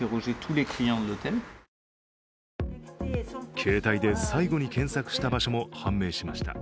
携帯で最後に検索した場所も判明しました。